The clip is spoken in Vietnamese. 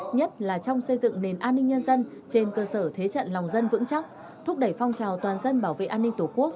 nhất là trong xây dựng nền an ninh nhân dân trên cơ sở thế trận lòng dân vững chắc thúc đẩy phong trào toàn dân bảo vệ an ninh tổ quốc